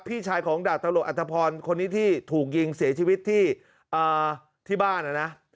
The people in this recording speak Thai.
พี่ชายของดาบตำรวจอัธพรคนนี้ที่ถูกยิงเสียชีวิตที่บ้านนะ